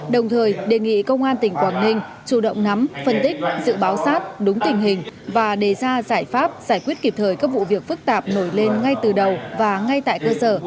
đồng thời đề nghị công an tỉnh quảng ninh chủ động nắm phân tích dự báo sát đúng tình hình và đề ra giải pháp giải quyết kịp thời các vụ việc phức tạp nổi lên ngay từ đầu và ngay tại cơ sở